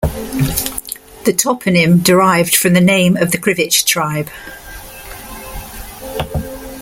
The toponym derived from the name of the Krivichs tribe.